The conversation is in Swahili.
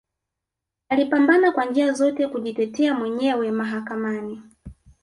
Alipambana kwa njia zote kujitetea mwenyewe mahakani